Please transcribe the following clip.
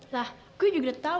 lah gue juga udah tau